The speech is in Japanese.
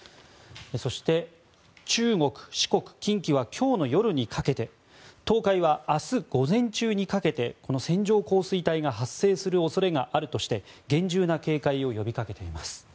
そして中国、四国、近畿は今日の夜にかけて東海は明日午前中にかけて線状降水帯が発生する恐れがあるとして厳重な警戒を呼びかけています。